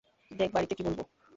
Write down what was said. দেখ বাড়িতে কী বলব?